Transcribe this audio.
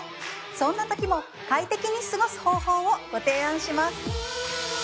そんなときも快適に過ごす方法をご提案します